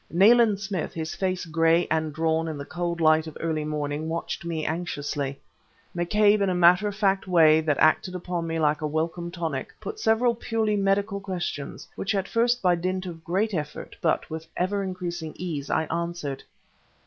Nayland Smith, his face gray and drawn in the cold light of early morning, watched me anxiously. McCabe in a matter of fact way that acted upon me like a welcome tonic, put several purely medical questions, which at first by dint of a great effort, but, with ever increasing ease, I answered.